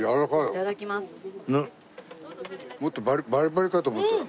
もっとバリバリかと思ってた。